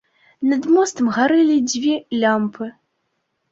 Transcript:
Над мостам гарэлі дзве лямпы.